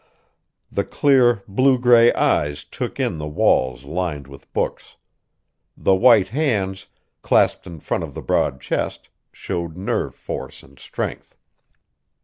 The clear, blue gray eyes took in the walls lined with books. The white hands, clasped in front of the broad chest, showed nerve force and strength.